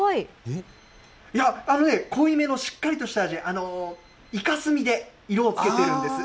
いや、あのね、濃いめのしっかりとした味、イカ墨で色をつけているんです。